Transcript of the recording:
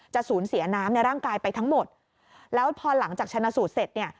สูญเสียน้ำในร่างกายไปทั้งหมดแล้วพอหลังจากชนะสูตรเสร็จเนี่ย